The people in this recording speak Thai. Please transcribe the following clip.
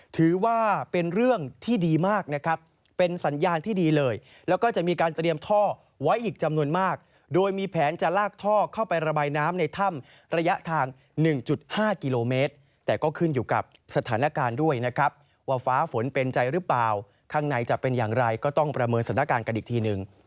ถือว่าเป็นเรื่องที่ดีมากนะครับเป็นสัญญาณที่ดีเลยแล้วก็จะมีการเตรียมท่อไว้อีกจำนวนมากโดยมีแผนจะลากท่อเข้าไประบายน้ำในถ้ำระยะทาง๑๕กิโลเมตรแต่ก็ขึ้นอยู่กับสถานการณ์ด้วยนะครับว่าฟ้าฝนเป็นใจหรือเปล่าข้างในจะเป็นอย่างไรก็ต้องประเมินสถานการณ์กันอีกทีหนึ่ง